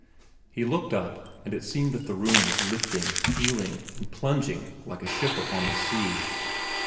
He looked up, and it seemed that the room was lifting, heeling, and plunging like a ship upon the sea.